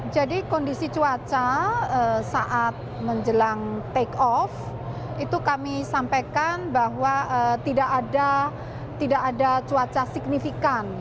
jadi kondisi cuaca saat menjelang take off itu kami sampaikan bahwa tidak ada cuaca signifikan